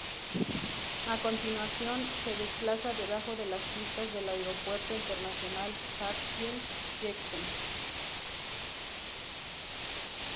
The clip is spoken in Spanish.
A continuación, se desplaza debajo de las pistas del Aeropuerto Internacional Hartsfield-Jackson.